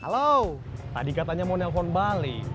halo tadi katanya mau nelpon balik